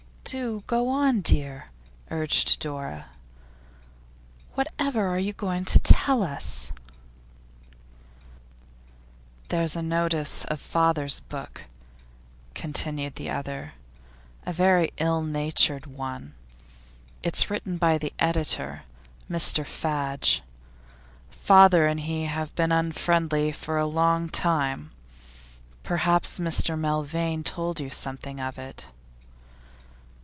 'Do go on, dear,' urged Dora. 'Whatever are you going to tell us?' 'There's a notice of father's book,' continued the other, 'a very ill natured one; it's written by the editor, Mr Fadge. Father and he have been very unfriendly for a long time. Perhaps Mr Milvain has told you something about it?